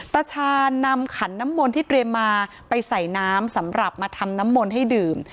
ตาชานำขันน้ำมนต์ที่เตรียมมาไปใส่น้ำสำหรับมาทำน้ำมนต์ให้ดื่ม